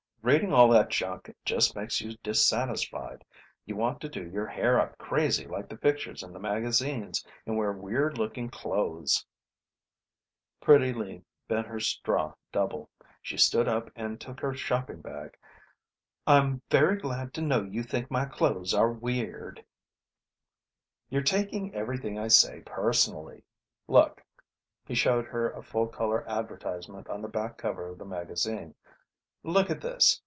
"Reading all that junk just makes you dissatisfied. You want to do your hair up crazy like the pictures in the magazines and wear weird looking clothes " Pretty Lee bent her straw double. She stood up and took her shopping bag. "I'm very glad to know you think my clothes are weird " "You're taking everything I say personally. Look." He showed her a full color advertisement on the back cover of the magazine. "Look at this.